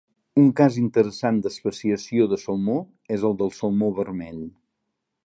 Un cas interessant d'especiació de salmó és el del salmó vermell.